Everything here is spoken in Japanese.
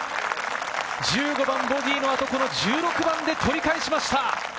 １５番ボギーの後、１６番で取り返しました。